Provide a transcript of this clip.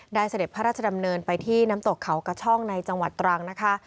เสด็จพระราชดำเนินไปที่น้ำตกเขากระช่องในจังหวัดตรังนะคะ